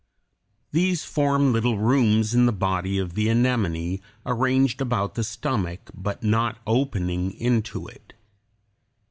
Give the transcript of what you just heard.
These form little rooms in the body of the anemone, arranged about the stomach, but not opening into it.